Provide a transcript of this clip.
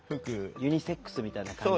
ユニセックスみたいな感じよね？